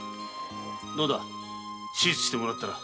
どうだ手術してもらったら。